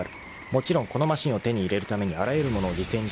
［もちろんこのマシンを手に入れるためにあらゆるものを犠牲にしてきた］